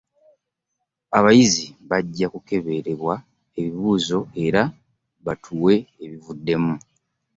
Abayizi bajja kukeberebwa ebibuuzo era batuuwe ebivuddemu.